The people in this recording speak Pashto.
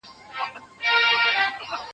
زه پرون د سبا لپاره د هنرونو تمرين کوم؟!